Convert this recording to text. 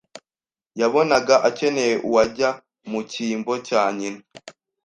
yabonaga akeneye uwajya mu cyimbo cya nyina.